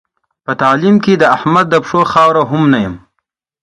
په تعلیم کې د احمد د پښو خاوره هم نه یم.